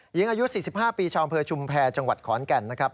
หญิงอายุ๔๕ปีชาวอำเภอชุมแพรจังหวัดขอนแก่นนะครับ